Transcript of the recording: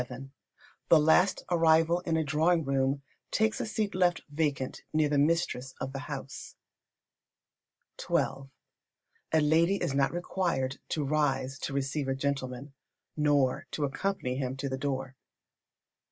The last arrival in a drawing room takes a seat left vacant near the mistress of the house. xii. A lady is not required to rise to receive a gentleman, nor to accompany him to the door.